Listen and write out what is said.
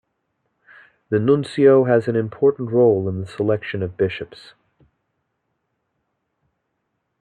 The nuncio has an important role in the selection of bishops.